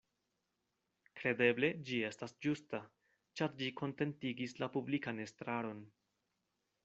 Kredeble ĝi estas ĝusta, ĉar ĝi kontentigis la publikan estraron.